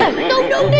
udah udah udah